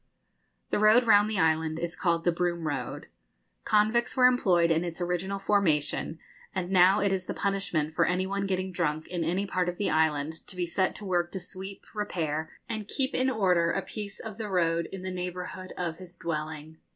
The road round the island is called the Broom Road. Convicts were employed in its original formation, and now it is the punishment for any one getting drunk in any part of the island to be set to work to sweep, repair, and keep in order a piece of the road in the neighbourhood of his dwelling.